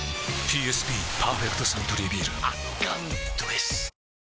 ＰＳＢ「パーフェクトサントリービール」圧巻どぇす！